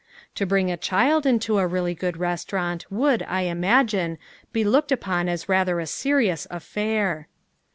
To bring a child into a really good restaurant would, I imagine, be looked upon as rather a serious affair.